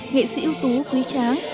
nghệ sĩ ưu tú quý tráng